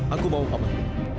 aku mau paman